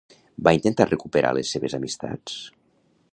Va intentar recuperar les seves amistats?